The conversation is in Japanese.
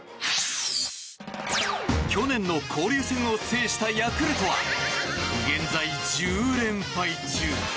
去年の交流戦を制したヤクルトは現在１０連敗中。